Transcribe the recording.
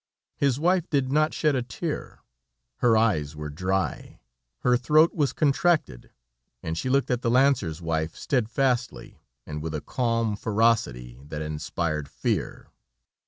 His wife did not shed a tear. Her eyes were dry, her throat was contracted, and she looked at the lancer's wife steadfastly, and with a calm ferocity that inspired fear.